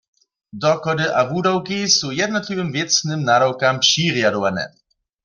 Dochody a wudawki su jednotliwym wěcnym nadawkam přirjadowane.